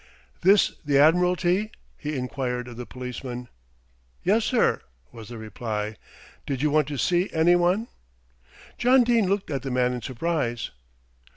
"This the Admiralty?" he enquired of the policeman. "Yes, sir," was the reply. "Did you want to see any one?" John Dene looked at the man in surprise.